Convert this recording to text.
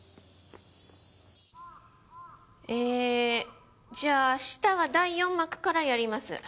えじゃあ明日は第４幕からやります。